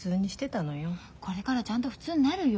これからちゃんと普通になるよ。